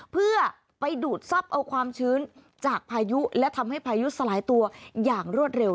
เพื่อไปดูดซับเอาความชื้นจากพายุและทำให้พายุสลายตัวอย่างรวดเร็ว